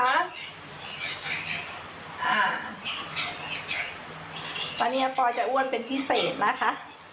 อ่าตอนนี้อาปอล์จะอ้วนเป็นพิเศษนะคะ